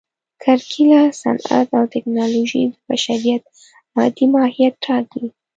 کرکېله، صنعت او ټکنالوژي د بشریت مادي ماهیت ټاکي.